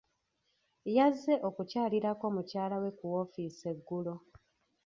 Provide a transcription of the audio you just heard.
Yazze okukyalirako mukyala we ku woofiisi eggulo.